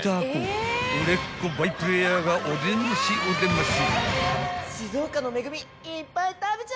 ［売れっ子バイプレーヤーがお出ましお出まし］